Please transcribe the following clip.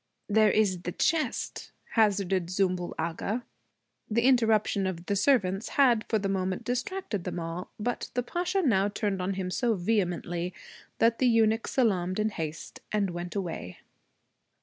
'There is the chest,' hazarded Zümbül Agha. The interruption of the servants had for the moment distracted them all. But the Pasha now turned on him so vehemently that the eunuch salaamed in haste and went away.